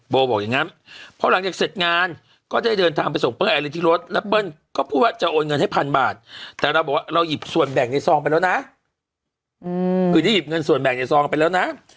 แบ่งในซองไปแล้วนะอืมคือได้หยิบเงินส่วนแบ่งในซองไปแล้วนะ